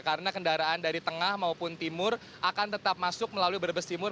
karena kendaraan dari tengah maupun timur akan tetap masuk melalui brebes timur